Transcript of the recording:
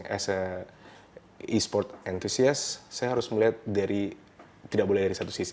as a esports enthusiast saya harus melihat dari tidak boleh dari satu sisi